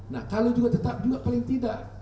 nah kalau juga tetap juga paling tidak